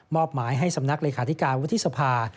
อบหมายให้สำนักเลขาธิการวุฒิสภา